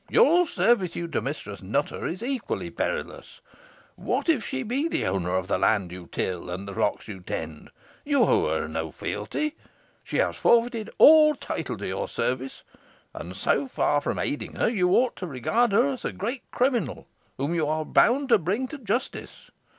Your servitude to Mistress Nutter is equally perilous. What if she be owner of the land you till, and the flocks you tend! You owe her no fealty. She has forfeited all title to your service and, so far from aiding her, you ought to regard her as a great criminal, whom you are bound to bring to justice.